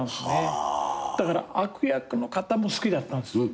だから悪役の方も好きだったんです。